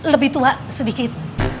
lebih tua sedikit